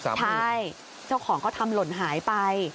ใช่เจ้าของเขาทำหล่นหายไป